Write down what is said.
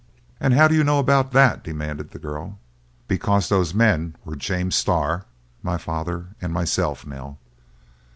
"And how do you know about that?" demanded the girl. "Because those men were James Starr, my father, and myself, Nell!"